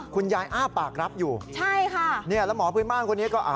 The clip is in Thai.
คุณยายอ้าปากรับอยู่นี่นะฮะแล้วหมอพื้นบ้านคนนี้ก็